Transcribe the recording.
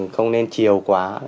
không nên chiều quá